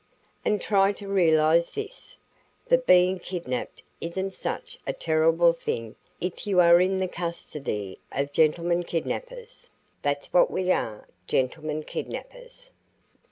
And try to realize this, that being kidnapped isn't such a terrible thing if you are in the custody of gentlemen kidnappers. That's what we are gentlemen kidnappers.